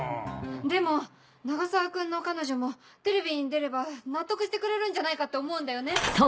でも永沢君の彼女もテレビに出れば納得してくれるんじゃないかって思うんだよね。